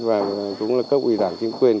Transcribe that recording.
và cũng là cấp ủy giảng chính quyền